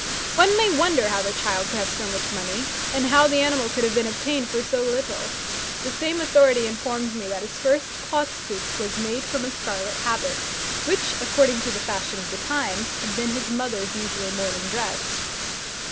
One may wonder how the child could have so much money, and how the animal could have been obtained for so little. The same authority informs me that his first cloth suit was made from a scarlet habit, which, according to the fashion of the times, had been his mother's usual morning dress.